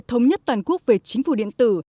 thống nhất toàn quốc về chính phủ điện tử